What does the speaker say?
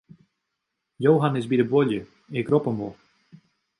Johan is by de buorlju, ik rop him wol.